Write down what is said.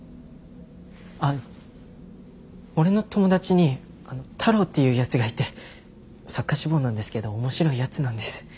あっ俺の友達に太郎っていうやつがいて作家志望なんですけど面白いやつなんです。